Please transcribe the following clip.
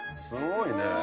すごいね。